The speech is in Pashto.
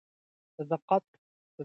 صداقت تل بریا ته رسیږي.